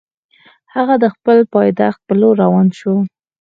هغه د خپل پایتخت پر لور روان شو.